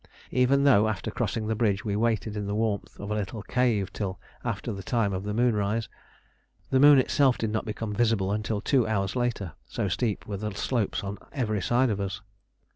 Even though after crossing the bridge we waited in the warmth of a little cave till after the time of moonrise, the moon itself did not become visible until two hours later, so steep were the slopes on every side of us.